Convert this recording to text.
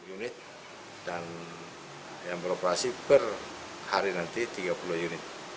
enam belas unit yang beroperasi per hari nanti tiga puluh unit